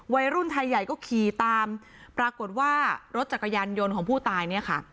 วัยรุ่นไทยใหญ่ก็ขี่ตามปรากฏว่ารถจักรยานยนต์ของผู้ตายเนี่ยค่ะ